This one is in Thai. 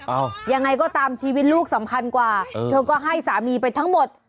ยังไงก็ตามชีวิตลูกสำคัญกว่าเธอก็ให้สามีไปทั้งหมด